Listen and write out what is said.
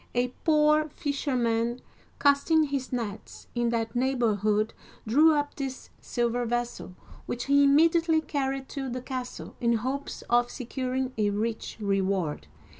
A poor fisherman, casting his nets in that neighborhood, drew up this silver vessel, which he im mediately carried to the castle, in hopes of securing a rich reward.